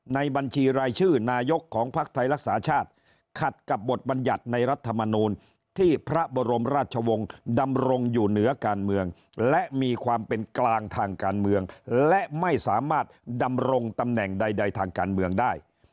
บัญชีรายชื่อนายกของภักดิ์ไทยรักษาชาติขัดกับบทบรรยัติในรัฐมนูลที่พระบรมราชวงศ์ดำรงอยู่เหนือการเมืองและมีความเป็นกลางทางการเมืองและไม่สามารถดำรงตำแหน่งใดทางการเมืองได้